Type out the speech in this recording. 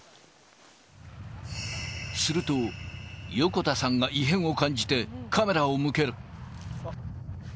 すると横田さんが異変を感じて、カメラを向ける。